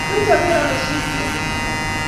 Kwechapee ano sutyek guuk?